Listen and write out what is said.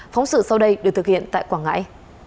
phóng sự sau đây được thực hiện tại quảng ngãi